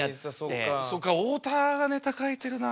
そっか太田がネタ書いてるな。